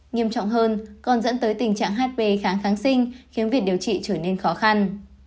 nghiêm trọng hơn còn dẫn tới tình trạng hp kháng kháng sinh khiến việc điều trị trở nên khó khăn